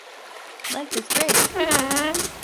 Life is great!